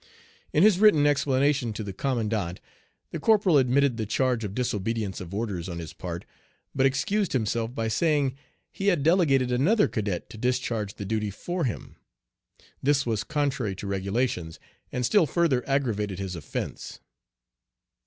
In his written explanation to the commandant the corporal admitted the charge of disobedience of orders on his part, but excused himself by saying he had delegated another cadet to discharge the duty for him. This was contrary to regulations, and still further aggravated his offence.